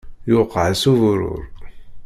Yuqeɛ-as uburur.